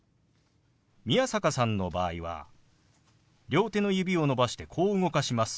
宮坂さんの場合は両手の指を伸ばしてこう動かします。